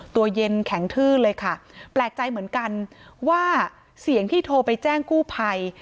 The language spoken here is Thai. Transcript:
ตัวเย็นแข็งทืดเลยค่ะแปลกใจเหมือนกันว่าเสียงที่โทรไปแจ้งกู้ภัย